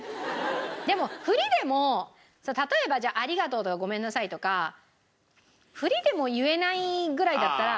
でもふりでも例えばじゃあ「ありがとう」とか「ごめんなさい」とかふりでも言えないぐらいだったら言った方がいいのかな。